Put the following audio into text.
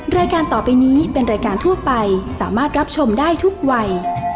รายการต่อไปนี้เป็นรายการทั่วไปสามารถรับชมได้ทุกวัย